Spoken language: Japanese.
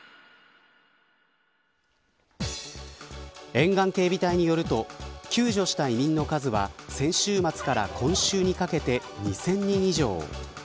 沿岸警備隊によると救助した移民の数は先週末から今週にかけて２０００人以上。